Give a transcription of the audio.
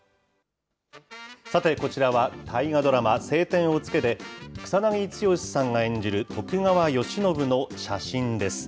さて、こちらは大河ドラマ、青天を衝けで、草なぎ剛さんが演じる徳川慶喜の写真です。